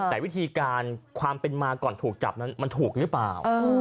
แต่วิธีการความเป็นมาก่อนถูกจับนั้นมันถูกหรือเปล่า